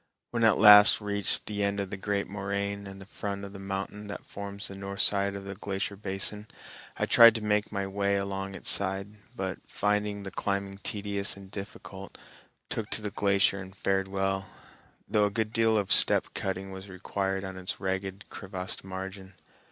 When I at last reached the end of the great moraine and the front of the mountain that forms the north side of the glacier basin, I tried to make my way along its side, but, finding the climbing tedious and difficult, took to the glacier and fared well, though a good deal of step cutting was required on its ragged, crevassed margin.